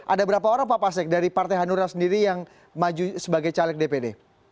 ada berapa orang pak pasek dari partai hanura sendiri yang maju sebagai caleg dpd